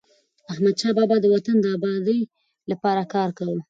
احمدشاه بابا د وطن د ابادی لپاره کار کاوه.